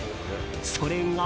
それが。